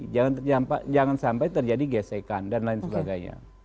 jangan sampai terjadi gesekan dan lain sebagainya